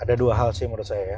ada dua hal sih menurut saya ya